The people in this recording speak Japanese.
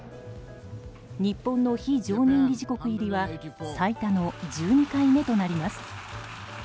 日本の非常任理事国入りは最多の１２回目となります。